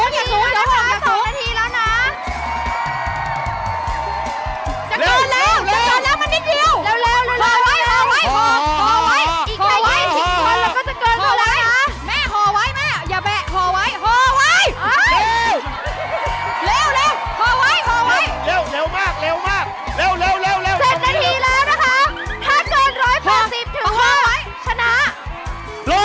เร็ว